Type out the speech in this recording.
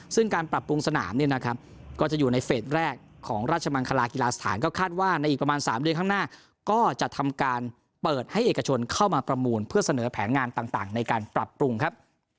ซึ่งการปรับปรุงสนามเนี่ยนะครับก็จะอยู่ในเฟสแรกของราชมังคลากีฬาสถานก็คาดว่าในอีกประมาณ๓เดือนข้างหน้าก็จะทำการเปิดให้เอกชนเข้ามาประมูลเพื่อเสนอแผนงานต่างในการปรับปรุงครับ